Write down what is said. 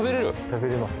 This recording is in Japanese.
食べれます